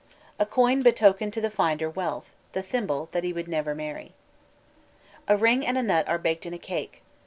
_ A coin betokened to the finder wealth; the thimble, that he would never marry. A ring and a nut are baked in a cake.